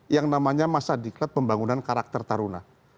yang namanya masa diklat pembangunan karakter taruna